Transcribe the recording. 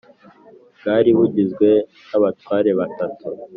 bwari bugizwe n abatware batatu